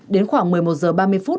đến khoảng một mươi một h ba mươi phút